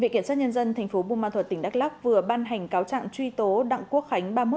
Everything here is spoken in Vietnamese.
viện kiểm soát nhân dân tp bung ma thuật tỉnh đắk lắk vừa ban hành cáo trạng truy tố đặng quốc khánh